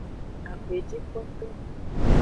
Axwejikpoto.